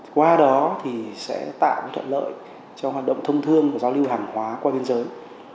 qua đó thì sẽ tạo thuận lợi cho hoạt động thông thương và giao lưu hàng hóa qua biên giới